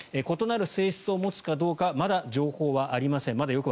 異なる性質を持つかどうかまだ情報はありません。